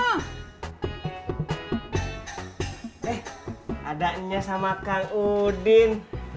eh ada nnya sama kang udin